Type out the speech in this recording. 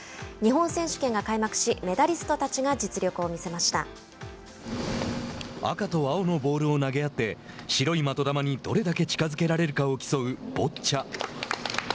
日本選手権が開幕しメダリストたちが赤と青のボールを投げ合って白い的球に、どれだけ近づけられるかを競うボッチャ。